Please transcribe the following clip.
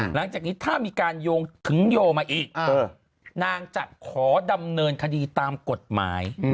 หลังจากนี้ถ้ามีการโยงถึงโยมาอีกนางจะขอดำเนินคดีตามกฎหมาย